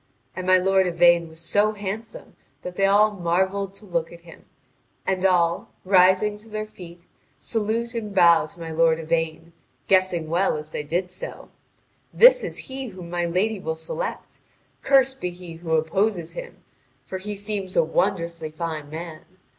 And my lord Yvain was so handsome that they all marvelled to look at him, and all, rising to their feet, salute and bow to my lord Yvain, guessing well as they did so: "This is he whom my lady will select. Cursed be he who opposes him! For he seems a wonderfully fine man.